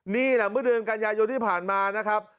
นี่แหละเมื่อเดือนกันยายนที่ผ่านมานะครับ